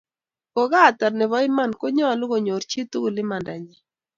ko ngatar, nebo iman konyalu konyor chii tugul imanda nyii